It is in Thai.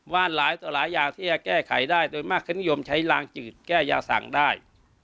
หลายต่อหลายอย่างที่จะแก้ไขได้โดยมากเขานิยมใช้ลางจืดแก้ยาสั่งได้